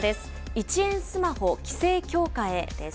１円スマホ規制強化へです。